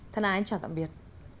thân ái chào tạm biệt